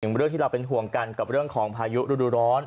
เรื่องที่เราเป็นห่วงกันกับเรื่องของพายุฤดูร้อน